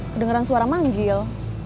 kedengeran suara manggil